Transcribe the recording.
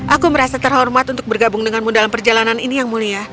aku merasa terhormat untuk bergabung denganmu dalam perjalanan ini yang mulia